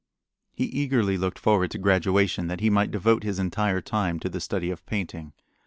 He eagerly looked forward to graduation that he might devote his entire time to the study of painting.